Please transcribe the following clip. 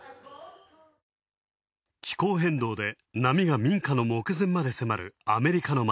気候変動で波が民家の目前まで迫る、アメリカの町。